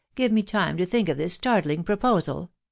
• Give ma time to think of this startling proposal